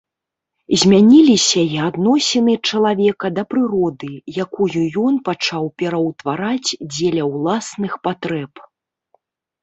Змяніліся і адносіны чалавека да прыроды, якую ён пачаў пераўтвараць дзеля ўласных патрэб.